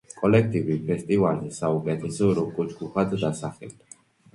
კოლექტივი ფესტივალზე საუკეთესო როკ-ჯგუფად დასახელდა.